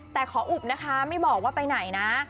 แต่ขออุบนะคะไม่บอกว่าไปไหนนะ